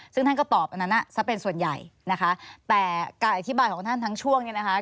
ซึ่งท่านก็ตอบอันนั้นซะเป็นส่วนใหญ่นะคะแต่การอธิบายของท่านทั้งช่วงเนี่ยนะคะ